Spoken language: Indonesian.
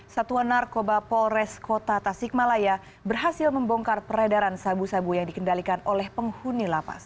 satuan narkoba polres kota tasikmalaya berhasil membongkar peredaran sabu sabu yang dikendalikan oleh penghuni lapas